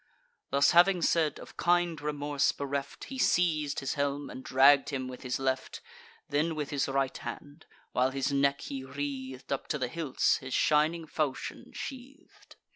Thus having said, of kind remorse bereft, He seiz'd his helm, and dragg'd him with his left; Then with his right hand, while his neck he wreath'd, Up to the hilts his shining falchion sheath'd.